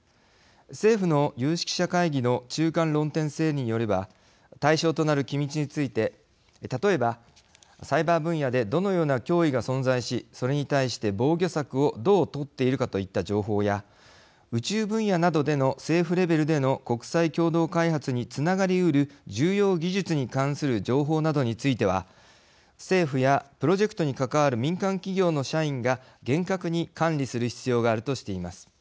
政府の有識者会議の中間論点整理によれば対象となる機密について例えばサイバー分野でどのような脅威が存在しそれに対して防御策をどう取っているかといった情報や宇宙分野などでの政府レベルでの国際共同開発につながりうる重要技術に関する情報などについては政府やプロジェクトに関わる民間企業の社員が厳格に管理する必要があるとしています。